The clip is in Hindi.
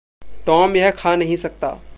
टॉम यह खा नहीं सकता।